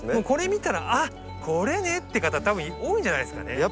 これ見たら「あっこれね」って方多分多いんじゃないですかね。